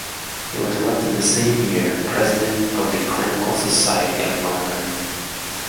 He was elected the same year President of the Clinical Society of London.